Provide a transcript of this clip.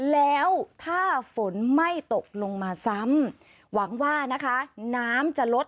แล้วถ้าฝนไม่ตกลงมาซ้ำหวังว่านะคะน้ำจะลด